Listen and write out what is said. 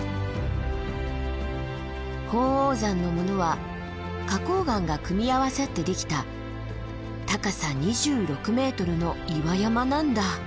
鳳凰山のものは花崗岩が組み合わさってできた高さ２６ｍの岩山なんだ。